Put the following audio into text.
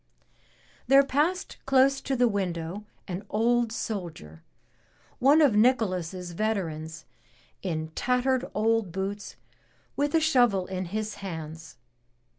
There passed close to the window an old soldier, one of Nicholas's veterans, in tattered old boots with a shovel in his 196 THE TREASURE CHEST hands.